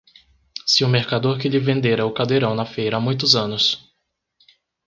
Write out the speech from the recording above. se o mercador que lhe vendera o caldeirão na feira há muitos anos